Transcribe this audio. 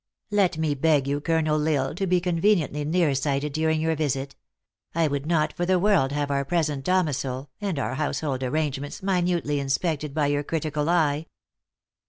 " Let me beg you, Colonel L Isle, to be conveniently near sighted during your visit. I would not, for the world, have our present domicil, and our household arrangements, minutely inspected by your critical eye."